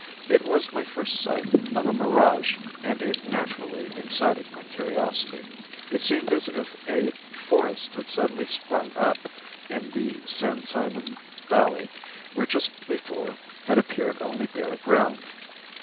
It was my first sight of a mirage and it naturally excited my curiosity. It seemed as if a forest had suddenly sprung up in the San Simon valley where just before had appeared only bare ground.